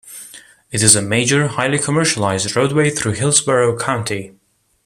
It is a major, highly commercialized roadway through Hillsborough County.